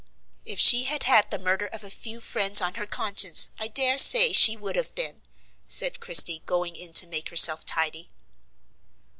"If she had had the murder of a few friends on her conscience, I dare say she would have been," said Christie, going in to make herself tidy.